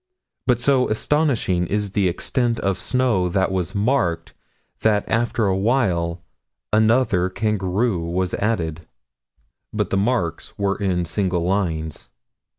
But so astonishing is the extent of snow that was marked that after a while another kangaroo was added. But the marks were in single lines.